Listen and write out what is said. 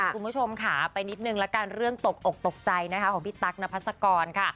คุณผู้ชมค่ะไปนิดนึงละกันเรื่องตกอกตกใจนะคะของพี่ตั๊กนพัศกรค่ะ